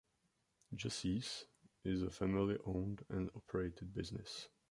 Jussies is a family owned and operated business.